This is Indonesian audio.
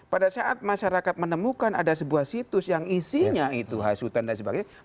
pada saat masyarakat menemukan ada sebuah situs yang isinya itu hasutan dan sebagainya